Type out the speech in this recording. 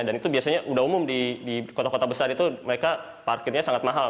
dan itu biasanya udah umum di kota kota besar itu mereka parkirnya sangat mahal